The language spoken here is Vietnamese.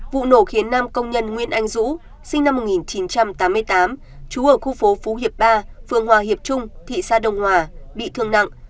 vụ nổ khiến nam công nhân nguyễn anh dũng sinh năm một nghìn chín trăm tám mươi tám trú ở khu phố phú hiệp ba phường hòa hiệp trung thị xã đông hòa bị thương nặng